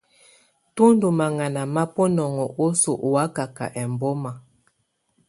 Tù ndù maŋana ma bunɔŋɔ osoo ù wakaka embɔma.